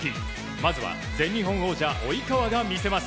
まずは全日本王者及川が見せます。